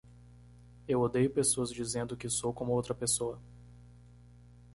Eu odeio pessoas dizendo que sou como outra pessoa.